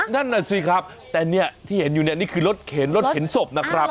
นั่นน่ะสิครับแต่เนี่ยที่เห็นอยู่เนี่ยนี่คือรถเข็นรถเข็นศพนะครับ